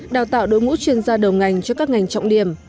đào tạo đối ngũ chuyên gia đầu ngành cho các ngành trọng điểm